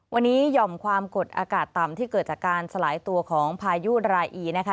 วันนี้หย่อมความกดอากาศต่ำที่เกิดจากการสลายตัวของพายุรายอีนะคะ